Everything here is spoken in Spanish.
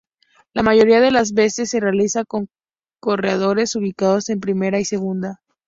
La mayoría de las veces se realizan con corredores ubicados en primera y segunda.